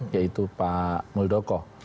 yaitu pak muldoko